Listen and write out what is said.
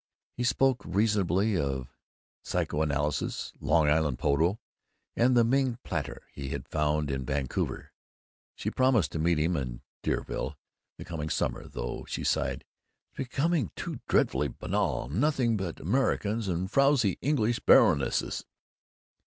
He spoke reasonably of psychoanalysis, Long Island polo, and the Ming platter he had found in Vancouver. She promised to meet him in Deauville, the coming summer, "though," she sighed, "it's becoming too dreadfully banal; nothing but Americans and frowsy English baronesses."